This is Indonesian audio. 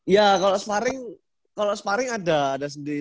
ya kalo sparring kalo sparring ada ada sendiri